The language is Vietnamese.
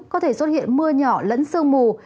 có thể xuất hiện mưa nhỏ lẫn sương mù